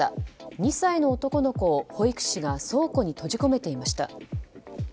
２歳の男の子を保育士が倉庫に閉じ込めていました。